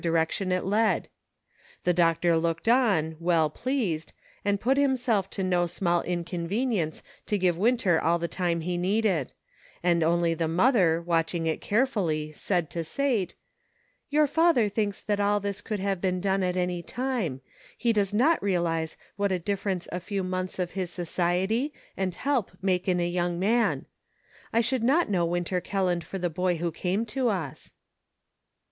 233 direction it led ; the doctor looked on, well pleased, and put himself to no small inconvenience to give Winter all the time he needed ; and only the mother watching it carefully, said to Sate :" Your father thinks that all this could have been done at any time ; he does not realize what a difference a few months of his society and help make in a young man ; I should not know Winter Kelland for the boy who came to us."